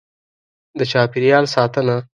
. د چاپېریال ساتنه: